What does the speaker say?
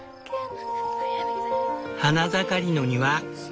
花盛りの庭。